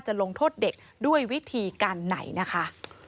ลงโทษเด็กด้วยวิธีการไหนนะคะ